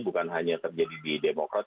bukan hanya terjadi di demokrat